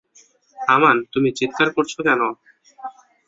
আমান তুমি চিৎকার করছো কেন?